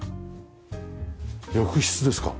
浴室ですか？